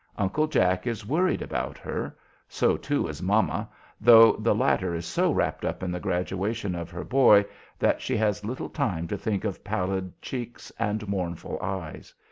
Uncle Jack is worried about her; so, too, is mamma, though the latter is so wrapped up in the graduation of her boy that she has little time to think of pallid cheeks and mournful eyes.